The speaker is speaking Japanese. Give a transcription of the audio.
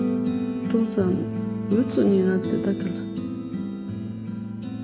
お父さんうつになってたから。